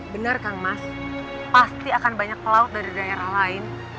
benar kang mas pasti akan banyak pelaut dari daerah lain